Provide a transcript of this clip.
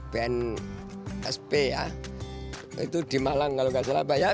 bnsp ya itu di malang kalau tidak salah banyak